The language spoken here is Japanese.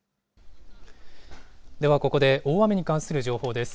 ではここで大雨に関する情報です。